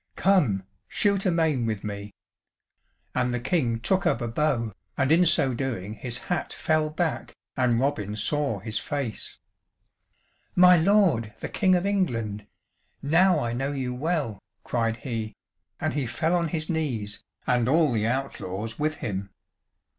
"Come, shoot a main with me." And the King took up a bow, and in so doing his hat fell back and Robin saw his face. "My lord the King of England, now I know you well," cried he, and he fell on his knees and all the outlaws with him.